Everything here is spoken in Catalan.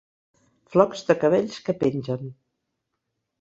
Flocs de cabells que pengen.